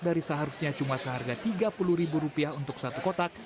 dari seharusnya cuma seharga rp tiga puluh ribu rupiah untuk satu kotak